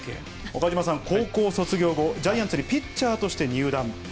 岡島さん、高校卒業後、ジャイアンツにピッチャーとして入団。